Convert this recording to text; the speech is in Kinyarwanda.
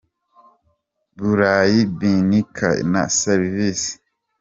Buray binica na servise.